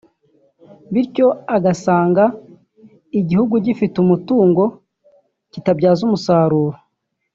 bityo agasanga igihugu gifite umutungo kitabyaza umusaruro